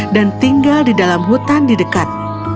dan tinggal di dalam hutan di dekat